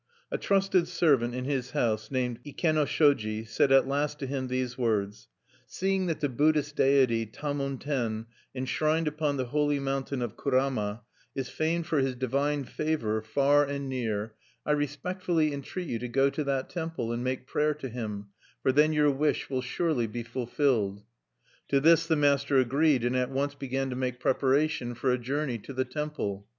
A trusted servant in his house named Ikenoshoji said at last to him these words: "Seeing that the Buddhist deity Tamon Ten, enshrined upon the holy mountain of Kurama, is famed for his divine favor far and near, I respectfully entreat you to go to that temple and make prayer to him; for then your wish will surely be fulfilled." To this the master agreed, and at once began to make preparation for a journey to the temple.